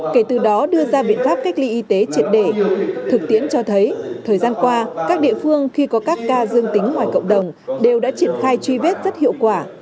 kể từ đó đưa ra biện pháp cách ly y tế triệt đề thực tiễn cho thấy thời gian qua các địa phương khi có các ca dương tính ngoài cộng đồng đều đã triển khai truy vết rất hiệu quả